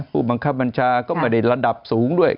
ผู้บังคับบัญชาก็ไม่ได้ระดับสูงด้วย